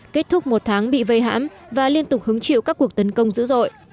kết thúc một tháng bị vây hãm và liên tục hứng chịu các cuộc tấn công dữ dội